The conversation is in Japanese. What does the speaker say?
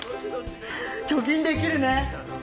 貯金できるね！